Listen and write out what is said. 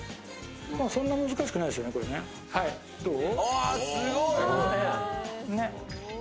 そんな難しくないですよねどう？